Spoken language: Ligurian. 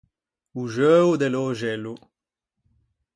O xeuo de l’öxello.